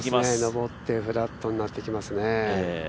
上って、フラットになっていきますね。